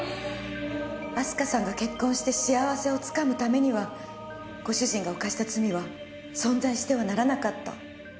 明日香さんが結婚して幸せを掴むためにはご主人が犯した罪は存在してはならなかった。